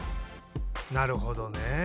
なるほどね。